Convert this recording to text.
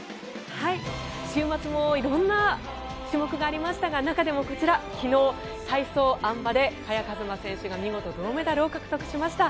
週末も色んな種目がありましたが中でもこちら、昨日体操あん馬で萱和磨選手が見事、銅メダルを獲得しました。